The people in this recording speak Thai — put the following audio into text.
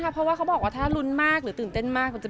ก็เลยจะพยายามทำตัวชิวมากตอนนี้